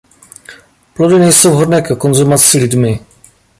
Plody nejsou vhodné ke konzumaci lidmi.